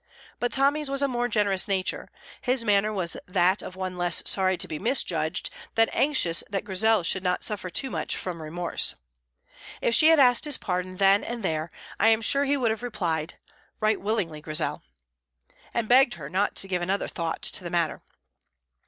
But Tommy's was a more generous nature; his manner was that of one less sorry to be misjudged than anxious that Grizel should not suffer too much from remorse. If she had asked his pardon then and there, I am sure he would have replied, "Right willingly, Grizel," and begged her not to give another thought to the matter.